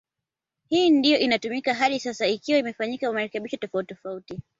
Hii ndio inayotumika hadi sasa ikiwa imefanyiwa marekebisho tofauti tofauti